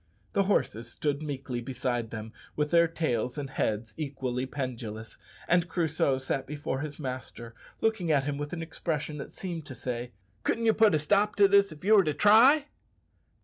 The horses stood meekly beside them, with their tails and heads equally pendulous; and Crusoe sat before his master, looking at him with an expression that seemed to say, "Couldn't you put a stop to this if you were to try?"